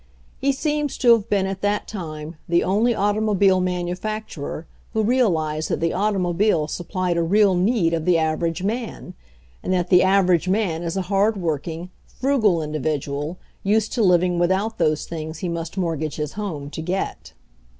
He seems to have been, at that time, the only automobile manufacturer who realized that the automobile supplied a real need of the aver age man, and that the average man is a hard working, frugal individual, used to living with out those things he must mortgage his home to get.